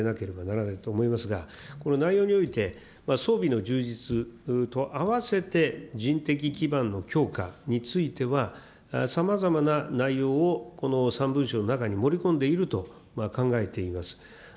文書にその熱意が乏しいというご指摘は謙虚に受け止めなければならないと思いますが、この内容において、装備の充実とあわせて、人的基盤の強化については、さまざまな内容をこの３文書の中に盛り込んでいると考えています。